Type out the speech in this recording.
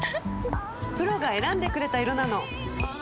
プロが選んでくれた色なの！